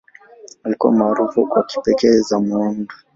Alikuwa maarufu kwa kipekee za miundo.